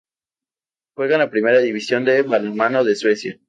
Juega en la primera división de balonmano de Suecia.